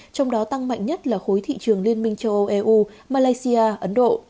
trong đó tăng mạnh nhất là khối thị trường liên minh châu âu